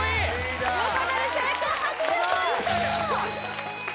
横取り成功８０ポイント！